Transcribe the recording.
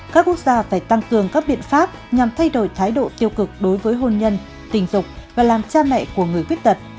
các quốc gia phải tăng cường các biện pháp nhằm thay đổi thái độ tiêu cực đối với hôn nhân tình dục và làm cha mẹ của người khuyết tật